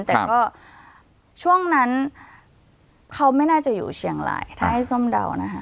แต่ก็ช่วงนั้นเขาไม่น่าจะอยู่เชียงรายถ้าให้ส้มเดานะคะ